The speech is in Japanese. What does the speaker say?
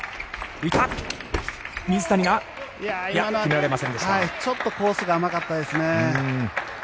今のはちょっとコースが甘かったですね。